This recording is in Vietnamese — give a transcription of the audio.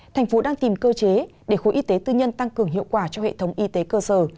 thành phố đang tìm cơ chế để khối y tế tư nhân tăng cường hiệu quả cho hệ thống y tế cơ sở